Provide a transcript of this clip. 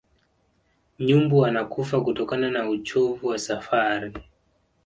nyumbu wanakufa kutokana na uchovu wa safari